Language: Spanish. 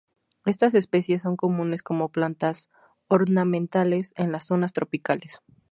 Estas especies son comunes como plantas ornamentales en las zonas tropicales.